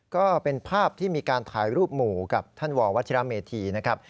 ก็เป็นภาพที่มีการถ่ายรูปหมู่กับท่านววัชิระเมธีนะครับ